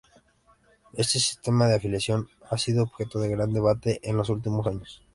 Este sistema de afiliación ha sido objeto de gran debate en los últimos años.